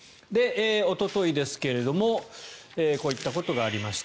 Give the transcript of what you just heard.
おとといですがこういったことがありました。